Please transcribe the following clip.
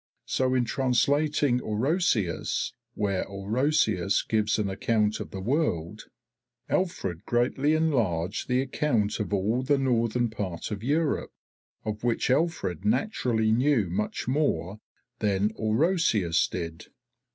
So in translating Orosius, where Orosius gives an account of the world, Alfred greatly enlarged the account of all the northern part of Europe, of which Alfred naturally knew much more than Orosius did.